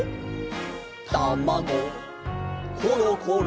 「たまごころころ」